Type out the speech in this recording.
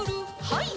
はい。